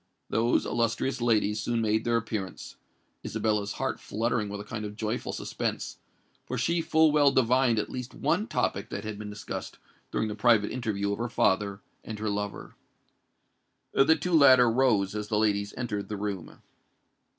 Those illustrious ladies soon made their appearance—Isabella's heart fluttering with a kind of joyful suspense, for she full well divined at least one topic that had been discussed during the private interview of her father and her lover. The two latter rose as the ladies entered the room.